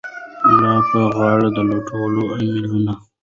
لا په غاړه د لوټونو امېلونه